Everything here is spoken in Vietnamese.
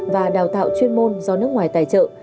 và đào tạo chuyên môn do nước ngoài tài trợ